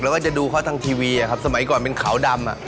แล้วก็จะดูเขาทางทีวีอะครับสมัยก่อนเป็นขาวดำ